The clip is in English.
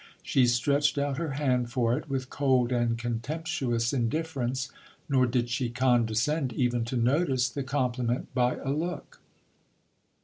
She stretched out her hand for it with cold and contemptuous indifference ; nor did she condescend even to notice the compliment by a look.